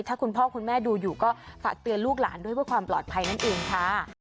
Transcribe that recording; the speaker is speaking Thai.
ถ้าคุณพ่อคุณแม่ดูอยู่ก็ฝากเตือนลูกหลานด้วยเพื่อความปลอดภัยนั่นเองค่ะ